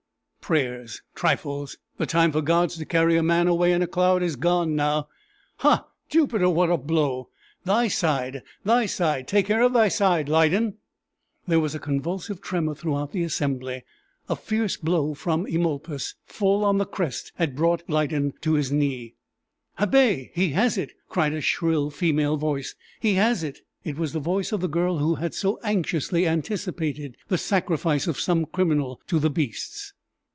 "Prayers! trifles! The time for gods to carry a man away in a cloud is gone now. Ha! Jupiter, what a blow! Thy side thy side! take care of thy side, Lydon!" There was a convulsive tremor throughout the assembly. A fierce blow from Eumolpus, full on the crest, had brought Lydon to his knee. "Habet! he has it!" cried a shrill female voice; "he has it!" It was the voice of the girl who had so anxiously anticipated the sacrifice of some criminal to the beasts.